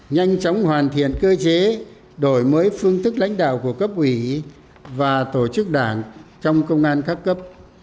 nhanh chóng hoàn thiện cơ chế đổi mới phương thức lãnh đạo của cấp ủy và tổ chức đảng trong công an các cấp